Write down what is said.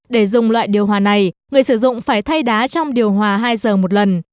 để dùng loại điều hòa này người sử dụng phải thay đá trong điều hòa hai giờ một lần